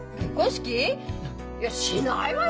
いやしないわよ